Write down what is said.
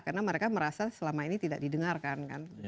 karena mereka merasa selama ini tidak didengarkan